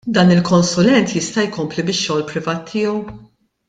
Dan il-konsulent jista' jkompli bix-xogħol privat tiegħu?